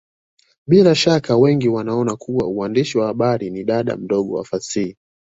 Bila shaka wengi wanaona kuwa uandishi wa habari ni dada mdogo wa fasihi